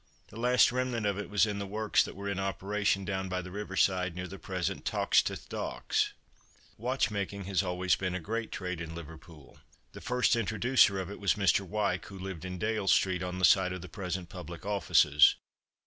The last remnant of it was in the works that were in operation down by the river side near the present Toxteth Docks. Watch making has always been a great trade in Liverpool. The first introducer of it was Mr. Wyke, who lived in Dale street, on the site of the present public offices.